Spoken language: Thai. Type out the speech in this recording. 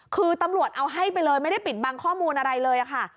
คือตำรวจเอาให้ไปเลยไม่ได้ปิดบังข้อมูลอะไรเลยค่ะ